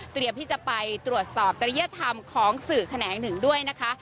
ที่จะไปตรวจสอบจริยธรรมของสื่อแขนงหนึ่งด้วยนะคะ